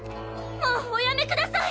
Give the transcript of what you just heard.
もうおやめください。